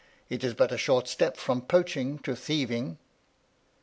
It is but a short step from poaching to thieving."